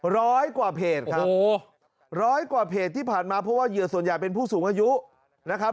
ร้อยกว่าเพจครับโอ้ร้อยกว่าเพจที่ผ่านมาเพราะว่าเหยื่อส่วนใหญ่เป็นผู้สูงอายุนะครับ